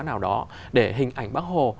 nào đó để hình ảnh bác hồ